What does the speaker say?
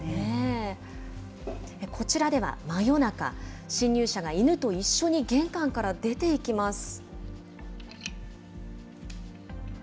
こちらでは、真夜中、侵入者が犬と一緒に玄関から出ていきます。